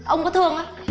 ông có thương nó